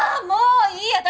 もういい！